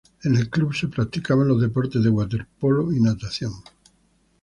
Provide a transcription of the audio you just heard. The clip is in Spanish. En el club se practican los deportes de waterpolo y natación.